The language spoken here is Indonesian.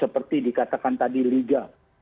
seperti dikatakan tadi liga